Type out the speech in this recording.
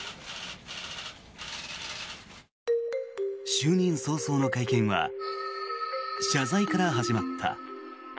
就任早々の会見は謝罪から始まった。